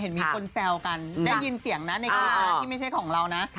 มีคนแซวกันได้ยินเสียงนะในคลิปที่ไม่ใช่ของเรานะ